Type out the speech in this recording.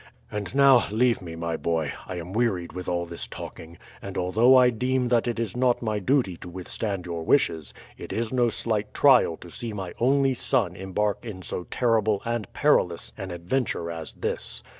And now leave me, my boy. I am wearied with all this talking; and although I deem that it is not my duty to withstand your wishes, it is no slight trial to see my only son embark in so terrible and perilous an adventure as this.